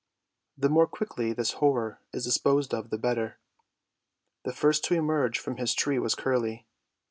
The more quickly this horror is disposed of the better. The first to emerge from his tree was Curly.